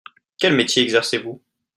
Quel métier exercez-vous ?